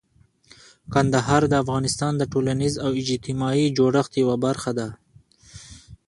کندهار د افغانستان د ټولنیز او اجتماعي جوړښت یوه برخه ده.